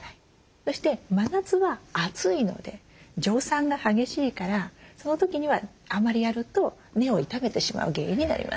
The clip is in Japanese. そして真夏は暑いので蒸散が激しいからその時にはあんまりやると根を傷めてしまう原因になります。